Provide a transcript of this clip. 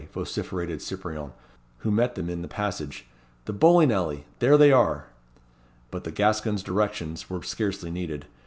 vociferated Cyprien, who met them in the passage "the bowling alley there they are!" But the Gascon's directions were scarcely needed.